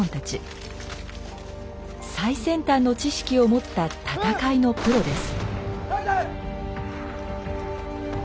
最先端の知識を持った戦いのプロです。